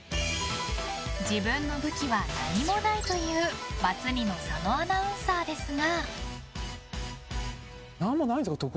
自分の武器は何もないというバツ２の佐野アナウンサーですが。